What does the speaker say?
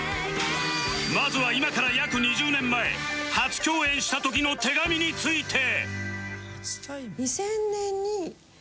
まずは今から約２０年前初共演した時の手紙について